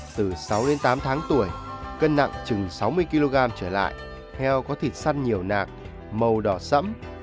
trừng sáu mươi kg trở lại heo có thịt săn nhiều nạc màu đỏ sẫm